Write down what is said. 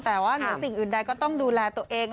แต่ว่าเหนือสิ่งอื่นใดก็ต้องดูแลตัวเอง